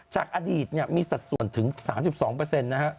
จากอดีตมีสัดส่วนถึง๓๒นะฮะ